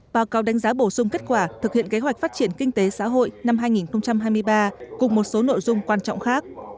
báo cáo đánh giá bổ sung kết quả thực hiện kế hoạch phát triển kinh tế xã hội năm hai nghìn hai mươi ba cùng một số nội dung quan trọng khác